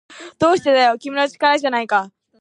どうしてだよ、君の力じゃないか